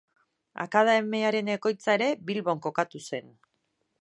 Akademiaren egoitza ere Bilbon kokatu zen.